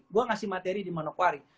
gue ngasih materi di manokwari